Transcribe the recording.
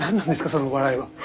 その笑いは。